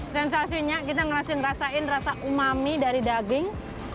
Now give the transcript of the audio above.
sensasinya kita ngerasa ngerasain rasa umami dari daging